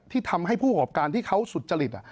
ที่ทำให้ผู้ประกอบการที่เขาสุจริต